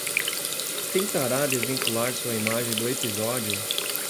Tentará desvincular sua imagem do episódio